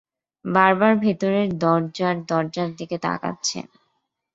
বারবার ভেতরের দরজার দরজার দিকে তাকাচ্ছেন!